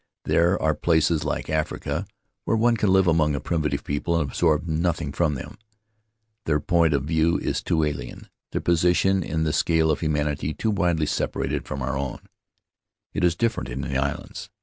"There are places, like Africa, where one can live among a primitive people and absorb nothing from them; their point of view is too alien, their position in the scale of humanity too widely separated from 6 Faery Lands of the South Seas our own. It is different in the islands.